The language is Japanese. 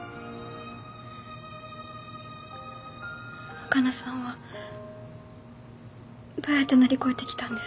若菜さんはどうやって乗り越えてきたんですか？